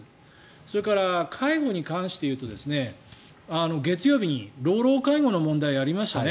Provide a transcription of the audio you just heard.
それから介護に関して言うと月曜日に老老介護の問題をやりましたね。